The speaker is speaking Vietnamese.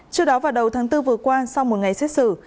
trước đó vào đầu tháng bốn vừa qua sau một ngày xét xử